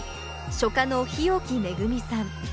書家の日置恵さん。